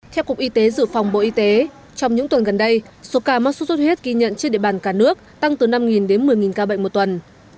theo cục y tế dự phòng bộ y tế trong những tuần gần đây số ca mắc sốt xuất huyết ghi nhận trên địa bàn cả nước tăng từ năm đến một mươi ca bệnh một tuần